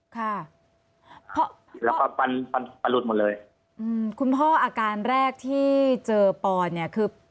ค่ะแล้วก็ฟันฟันประหลุดหมดเลยอืมคุณพ่ออาการแรกที่เจอปอนเนี่ยคือ